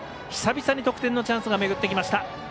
久々に得点のチャンスが巡ってきました。